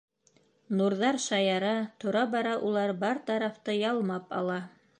Нурҙар шаяра, тора-бара улар бар тарафты ялмап ала.